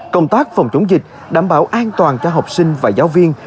công tác phòng chống dịch đảm bảo an toàn cho học sinh và giáo viên